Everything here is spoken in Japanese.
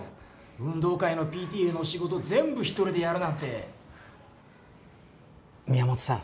運動会のＰＴＡの仕事全部一人でやるなんて宮本さん